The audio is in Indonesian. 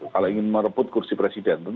kalau ingin merebut kursi presiden